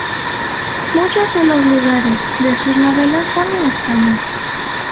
Muchos de los lugares de sus novelas son en España.